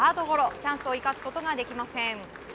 チャンスを生かすことができません。